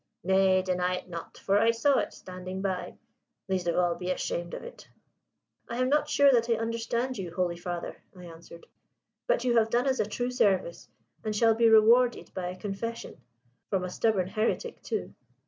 Nay, deny it not: for I saw it, standing by. Least of all be ashamed of it." "I am not sure that I understand you, holy father," I answered. "But you have done us a true service, and shall be rewarded by a confession from a stubborn heretic, too."